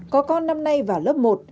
có con năm nay vào lớp một